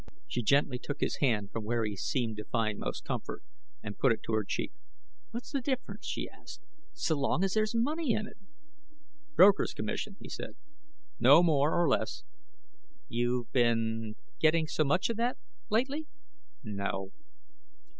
She gently took his hand from where he seemed to find most comfort, and put it up to her cheek. "What's the difference?" she asked. "So long as there's money in it?" "Broker's commission," he said. "No more or less." "You've been getting so much of that, lately?" "N no."